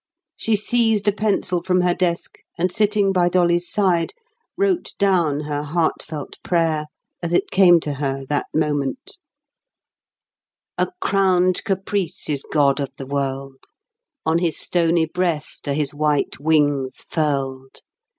She seized a pencil from her desk, and sitting by Dolly's side, wrote down her heart felt prayer, as it came to her that moment— A crowned Caprice is god of the world: On his stony breast are his white wings furled.